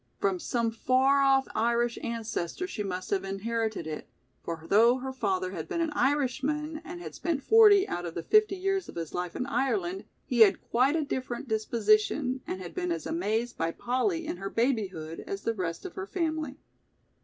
From some far off Irish ancestor she must have inherited it, for though her father had been an Irishman and had spent forty out of the fifty years of his life in Ireland, he had quite a different disposition and had been as amazed by Polly in her babyhood as the rest of her family.